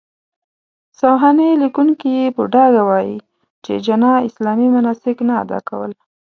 سوانح ليکونکي يې په ډاګه وايي، چې جناح اسلامي مناسک نه اداء کول.